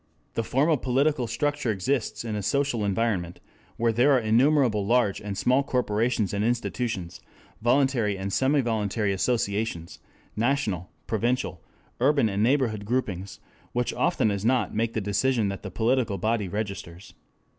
The formal political structure exists in a social environment, where there are innumerable large and small corporations and institutions, voluntary and semi voluntary associations, national, provincial, urban and neighborhood groupings, which often as not make the decision that the political body registers.